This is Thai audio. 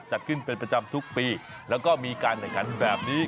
จัดขึ้นเป็นประจำทุกปีแล้วก็มีการแข่งขันแบบนี้